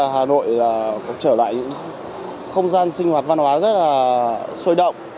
hà nội trở lại những không gian sinh hoạt văn hóa rất là sôi động